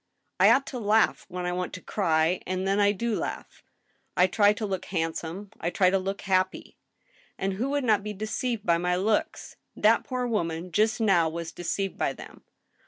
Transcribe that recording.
... I ought to laugh when ^ I want to cry — ^and then I do laugh. I try to look handsome, I try to look happy! And who would not be deceived by my looks? That poor woman just now was deceived by them.